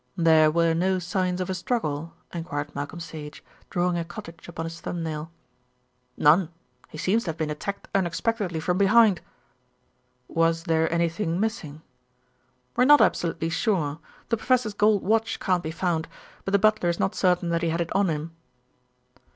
"There were no signs of a struggle?" enquired Malcolm Sage, drawing a cottage upon his thumbnail. "None. He seems to have been attacked unexpectedly from behind." "Was there anything missing?" "We're not absolutely sure. The professor's gold watch can't be found; but the butler is not certain that he had it on him."